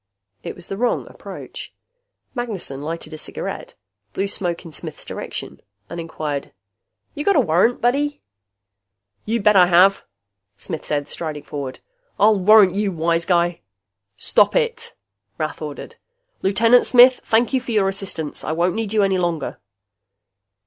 It was the wrong approach. Magnessen lighted a cigarette, blew smoke in Smith's direction and inquired, "You got a warrant, buddy?" "You bet I have," Smith said, striding forward. "I'll warrant you, wise guy." "Stop it!" Rath ordered. "Lieutenant Smith, thank you for your assistance. I won't need you any longer."